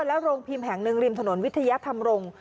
และโรงพิมพ์แห่งหนึ่งริมถนนวิทยาธรรมรงค์